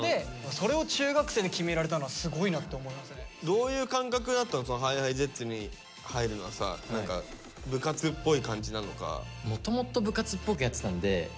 それを中学生で決められたのはすごいなって思いますね。ＨｉＨｉＪｅｔｓに入るのはさ部活っぽい感じなのか。